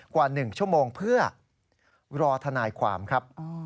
กว่า๑ชั่วโมงเพื่อรอทนายความครับ